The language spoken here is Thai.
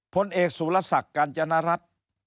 ผลเอกสุรสักการณรัฐ